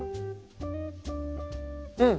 うん！